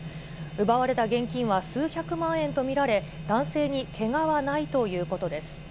奪われた現金は数百万円と見られ、男性にけがはないということです。